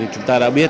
chúng ta đã biết